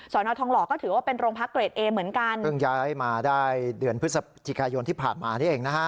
นอทองหล่อก็ถือว่าเป็นโรงพักเกรดเอเหมือนกันเพิ่งย้ายมาได้เดือนพฤศจิกายนที่ผ่านมานี่เองนะฮะ